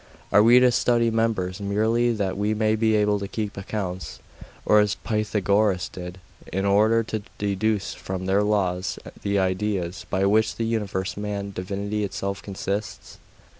Are we to study numbers merely that we may be able to keep accounts; or as Pythagoras did, in order to deduce from their laws the ideas by which the universe, man, Divinity itself, consists?